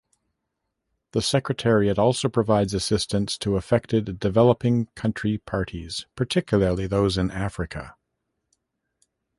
The secretariat also provides assistance to affected developing country Parties, particularly those in Africa.